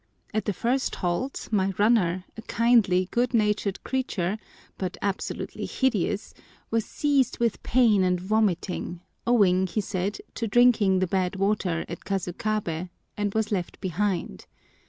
At the first halt my runner, a kindly, good natured creature, but absolutely hideous, was seized with pain and vomiting, owing, he said, to drinking the bad water at Kasukabé, and was left behind.